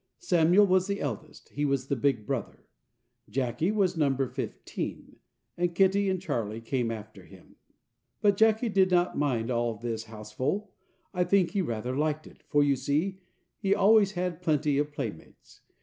Samuel was the eldest, he was the "big brother"; Jacky was number fifteen, and Kitty and Charlie came after him. But Jacky did not mind all this houseful, I think he rather liked it, for you see he always had plenty of playmates.